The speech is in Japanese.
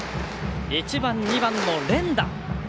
１番、２番の連打。